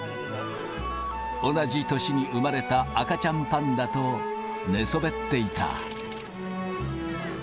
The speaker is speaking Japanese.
同じ年に生まれた赤ちゃんパンダと寝そべっていた。